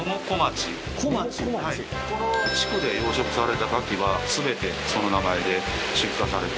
この地区で養殖された牡蠣は全てその名前で出荷されてる。